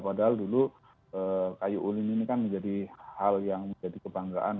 padahal dulu kayu ulin ini kan menjadi hal yang menjadi kebanggaan